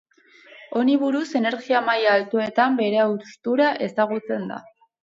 Honi buruz energia maila altuetan bere haustura ezagutzen da.